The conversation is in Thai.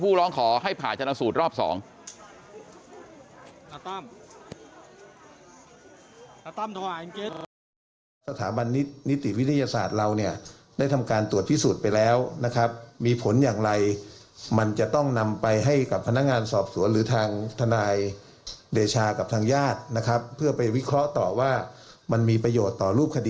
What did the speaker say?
ผู้ร้องขอให้ผ่าจำนวนสูตรรอบ๒